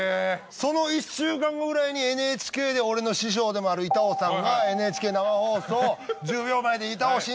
その１週間後ぐらいにＮＨＫで俺の師匠でもある板尾さんがＮＨＫ生放送１０秒前で。